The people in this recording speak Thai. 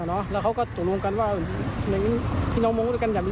เนอะแล้วเขาก็ตกลงกันว่าเหมือนที่น้องมองด้วยกันจะมี